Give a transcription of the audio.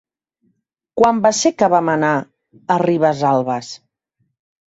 Quan va ser que vam anar a Ribesalbes?